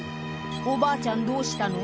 おばあちゃんどうしたの？